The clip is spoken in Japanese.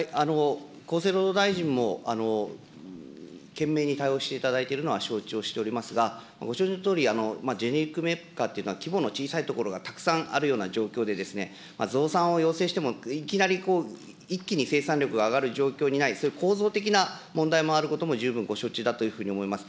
厚生労働大臣も懸命に対応していただいているのは承知をしておりますが、ご承知のとおり、ジェネリックメーカーというのは規模の小さい所がたくさんあるような状況でですね、増産を要請しても、いきなり一気に生産力が上がる状況にない、そういう構造的な問題もあることも、十分ご承知だというふうに思います。